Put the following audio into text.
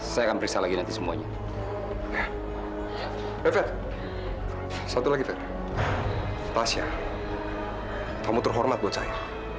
sampai jumpa di video selanjutnya